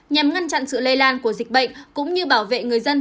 nhằm ngăn chặn sự lây lan của dịch bệnh cũng như bảo vệ người dân